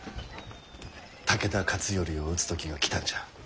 武田勝頼を討つ時が来たんじゃ。